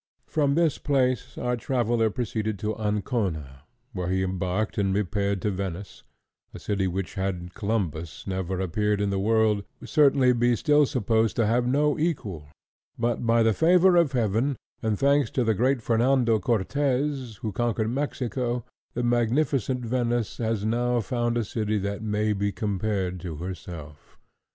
From this place our traveller proceeded to Ancona, where he embarked and repaired to Venice, a city which, had Columbus never appeared in the world, would certainly be still supposed to have no equal; but, by the favour of heaven, and thanks to the great Fernando Cortez who conquered Mexico, the magnificent Venice has now found a city that may be compared to herself.